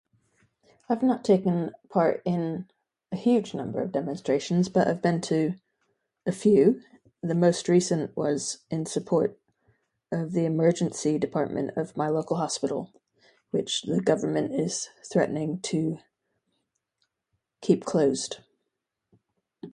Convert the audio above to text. I've not taken part in a huge number of demonstrations, but I've been to a few. The most recent was in support of the emergency department of my local hospital, which the government is threatening to keep closed.